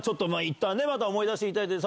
いったんねまた思い出していただいて。